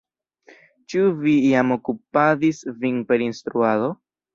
Ĉu vi jam okupadis vin per instruado?